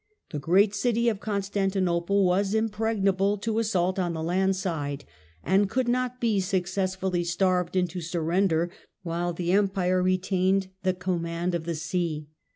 The great city of Constantinople was impregnable to assault on the land side, and could not be successfully starved into surrender while the Empire retained the command of the sea.